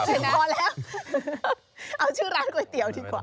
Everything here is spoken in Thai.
ชนะพอแล้วเอาชื่อร้านก๋วยเตี๋ยวดีกว่า